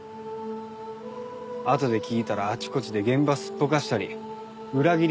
あとで聞いたらあちこちで現場すっぽかしたり裏切りまくってたらしくて。